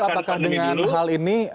apakah dengan hal ini